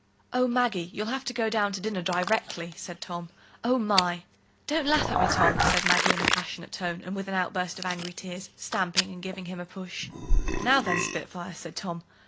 "Oh, Maggie, you'll have to go down to dinner directly," said Tom. "Oh, my!" "Don't laugh at me, Tom," said Maggie, in a passionate tone, and with an outburst of angry tears, stamping, and giving him a push. "Now, then, spitfire!" said Tom.